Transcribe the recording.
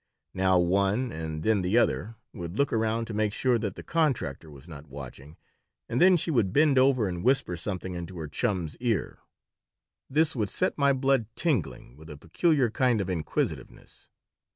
Now one and then the other would look around to make sure that the contractor was not watching, and then she would bend over and whisper something into her chum's ear. This would set my blood tingling with a peculiar kind of inquisitiveness.